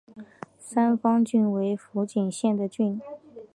三方郡为福井县的郡。